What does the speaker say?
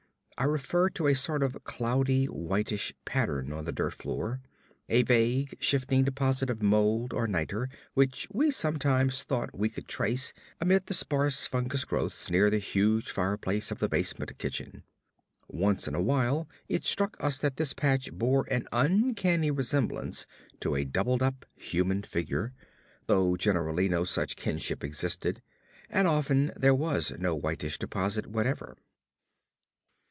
I refer to a sort of cloudy whitish pattern on the dirt floor a vague, shifting deposit of mold or niter which we sometimes thought we could trace amidst the sparse fungous growths near the huge fireplace of the basement kitchen. Once in a while it struck us that this patch bore an uncanny resemblance to a doubled up human figure, though generally no such kinship existed, and often there was no whitish deposit whatever.